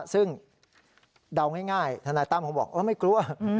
ซึ่งเดาง่ายทนายตั้มเขาบอกไม่กลัว